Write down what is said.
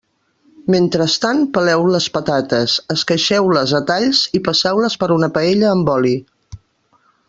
Mentrestant peleu les patates, esqueixeu-les a talls i passeu-les per una paella amb oli.